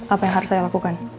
apa yang harus saya lakukan